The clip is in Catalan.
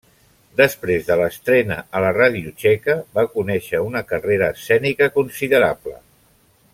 Després de l'estrena a la ràdio txeca va conèixer una carrera escènica considerable.